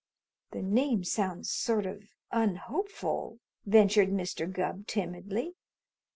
"The name sounds sort of unhopeful," ventured Mr. Gubb timidly.